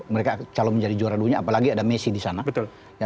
mereka calon menjadi juara dunia apalagi ada messi di sana